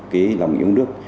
cái lòng yêu nước